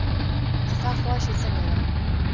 ستا خواشي څنګه ده.